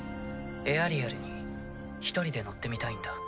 エアリアルに一人で乗ってみたいんだ。